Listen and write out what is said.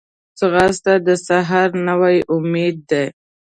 ځغاسته د سحر نوی امید ده